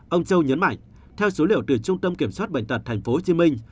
ông châu nhấn mạnh theo số liệu từ trung tâm kiểm soát bệnh tật tp hcm